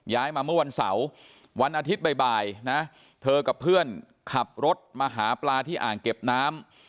มาเมื่อวันเสาร์วันอาทิตย์บ่ายนะเธอกับเพื่อนขับรถมาหาปลาที่อ่างเก็บน้ำ